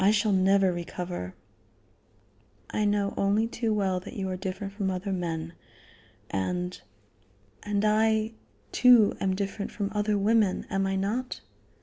I shall never recover." "I know only too well that you are different from other men, and and I, too, am different from other women am I not?"